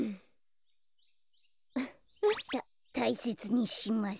たたいせつにします。